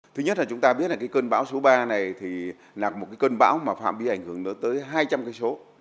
thứ nhất là chúng ta biết là cơn bão số ba này là một cơn bão mà phạm bị ảnh hưởng đến tới hai trăm linh km